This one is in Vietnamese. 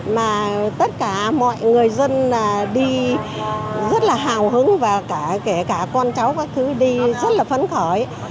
mà tất cả mọi người dân đi rất là hào hứng và kể cả con cháu các thứ đi rất là phấn khởi